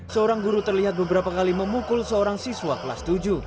seorang guru terlihat beberapa kali memukul seorang siswa kelas tujuh